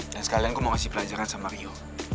dan sekalian gue mau kasih pelajaran sama rio